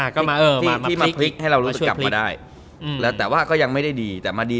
ก็มาพลิกให้เรารู้จะกลับมาได้